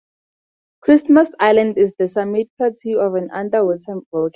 Christmas Island is the summit plateau of an underwater volcano.